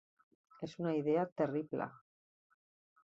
És una idea terrible.